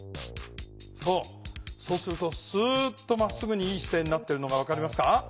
そうするとスーッとまっすぐにいい姿勢になってるのが分かりますか？